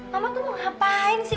mama tuh mau ngapain sih